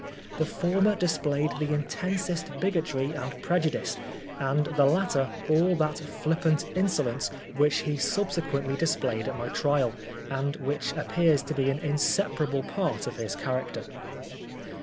The former displayed the intensest bigotry and prejudice, and the latter all that flippant insolence which he subsequently displayed at my trial, and which appears to be an inseparable part of his character.